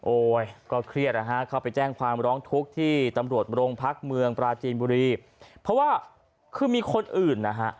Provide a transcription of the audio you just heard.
โอ้ยก็เครียดอ่ะฮะเขาไปแจ้งฟังร้องทุกข์ที่ตำรวจบรมพักเมืองเปราะว่าเคยมีคนอื่นนะฮะ